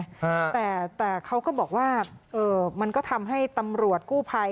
อ่าแต่แต่เขาก็บอกว่าเอ่อมันก็ทำให้ตำรวจกู้ภัย